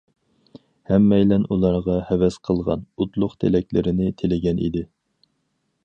ھەممەيلەن ئۇلارغا ھەۋەس قىلغان ئوتلۇق تىلەكلىرىنى تىلىگەن ئىدى.